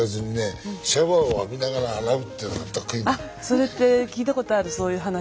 それって聞いたことあるそういう話は。